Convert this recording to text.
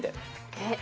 えっ。